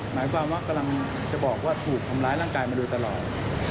หมายความว่ากำลังจะบอกว่าถูกทำร้ายร่างกายมาโดยตลอด